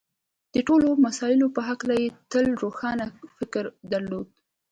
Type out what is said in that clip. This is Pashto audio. د ټولو مسألو په هکله یې تل روښانه فکر درلود